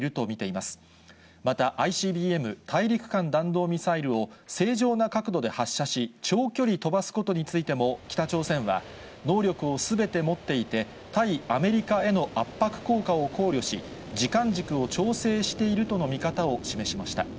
また、ＩＣＢＭ・大陸間弾道ミサイルを正常な角度で発射し、長距離飛ばすことについても、北朝鮮は、能力をすべて持っていて、対アメリカへの圧迫効果を考慮し、時間軸を調整しているとの見方を示しました。